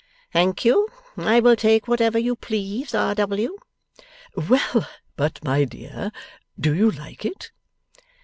'Thank you. I will take whatever you please, R. W.' 'Well, but my dear, do you like it?